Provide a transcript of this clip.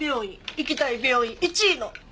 行きたい病院１位の！